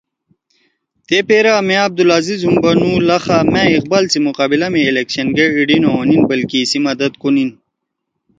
تے پیرا میاں عبدالعزیز ہُم بنُو لخا مأ اقبال سی مقابلہ می الیکشن گے ایِڑی نہ ہونیِن بلکہ ایِسی مدد کونیِن